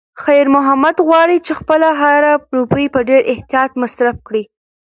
خیر محمد غواړي چې خپله هره روپۍ په ډېر احتیاط مصرف کړي.